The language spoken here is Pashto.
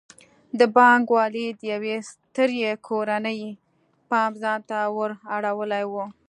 د بانک والۍ د یوې سترې کورنۍ پام ځان ته ور اړولی و.